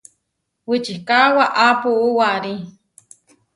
Wičika waʼá puú warí.